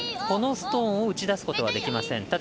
このストーンを打ち出すことはできません。